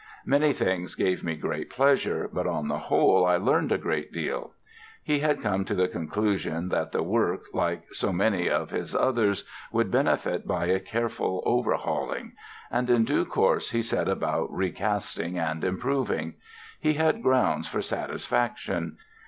"Many things gave me great pleasure, but on the whole I learned a great deal". He had come to the conclusion that the work, like so many of his others, would benefit by a careful overhauling. And in due course he set about recasting and improving. He had grounds for satisfaction.